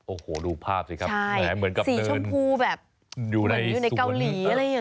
โอ้โหดูภาพสิครับแหมเหมือนกับเดินชมพูแบบอยู่ในเกาหลีอะไรอย่างนี้